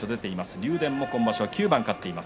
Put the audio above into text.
竜電も今場所は９番勝っています。